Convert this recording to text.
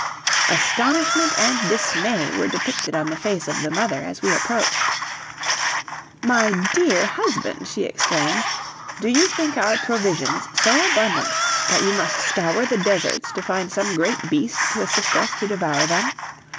Astonishment and dismay were depicted on the face of the mother as we approached. "My dear husband," she exclaimed, "do you think our provisions so abundant that you must scour the deserts to find some great beast to assist us to devour them.